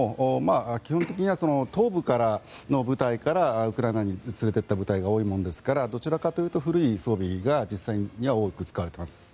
基本的には東部からの部隊からウクライナに連れていった部隊が多いものですからどちらかというと古い装備が実際には多く使われています。